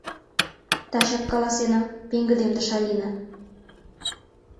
— Тачак каласена, — пеҥгыдемдыш Алина.